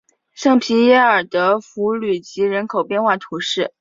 圣皮耶尔德弗吕吉人口变化图示